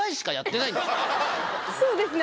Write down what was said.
そうですね。